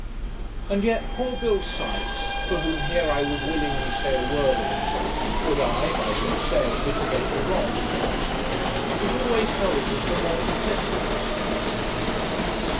And yet poor Bill Sykes, for whom here I would willingly say a word or two, could I, by so saying, mitigate the wrath against him, is always held as the more detestable scoundrel.